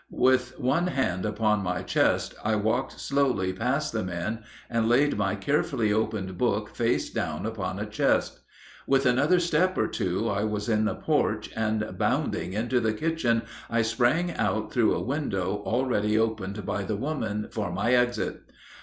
With one hand upon my chest, I walked slowly past the men, and laid my carefully opened book face down upon a chest. With another step or two I was in the porch, and bounding into the kitchen I sprang out through a window already opened by the women for my exit.